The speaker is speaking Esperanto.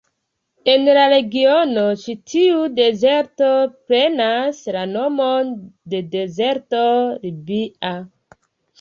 En la regiono, ĉi tiu dezerto prenas la nomon de dezerto Libia.